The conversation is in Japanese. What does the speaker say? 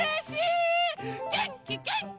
げんきげんき！